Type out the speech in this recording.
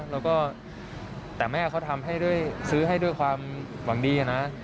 แล้วก็แต่แม่เขาทำให้ซื้อให้ด้วยความหวังดีนะ